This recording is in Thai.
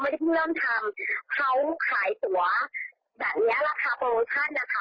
ทำให้เหมือนคนเชื่อใจแล้วเขาก็คิดว่าเขาไม่ได้แบบคู่ร้ายอย่างเกินใดค่ะ